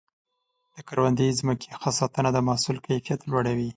د کروندې ځمکې ښه ساتنه د محصول کیفیت لوړوي.